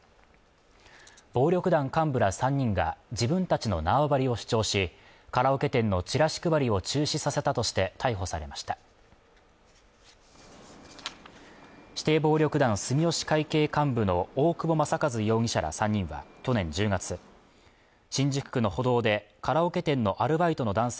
暴力団幹部ら３人が自分たちの縄張りを主張しカラオケ店のチラシ配りを中止させたとして逮捕されました指定暴力団住吉会系幹部の大久保雅一容疑者ら３人は去年１０月新宿区の歩道でカラオケ店のアルバイトの男性